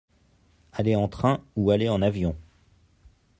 aller en train ou aller en avion.